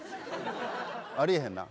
ありえへんな。